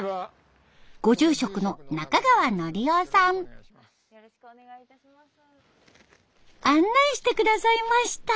ご住職の案内して下さいました。